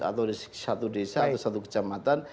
atau di satu desa atau satu kejamatan